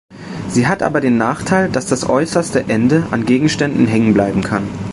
Sie hat aber den Nachteil, dass das äußere Ende an Gegenständen hängen bleiben kann.